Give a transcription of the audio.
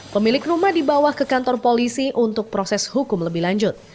pemilik rumah dibawa ke kantor polisi untuk proses hukum lebih lanjut